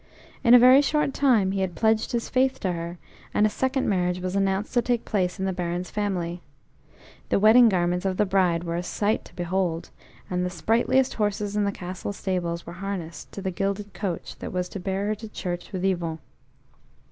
In a very short time he had pledged his faith to her, and a second marriage was announced to take place in the Baron's family. The wedding garments of the bride were a sight to behold, and the sprightliest horses in the castle stables were harnessed to the gilded coach that was to bear her to church with Yvon.